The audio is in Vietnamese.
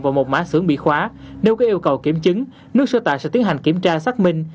và một mã xưởng bị khóa nếu có yêu cầu kiểm chứng nước sơ tài sẽ tiến hành kiểm tra xác minh